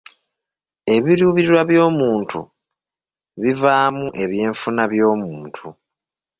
Ebiruubirirwa by'omuntu bivaamu eby'enfuna by'omuntu.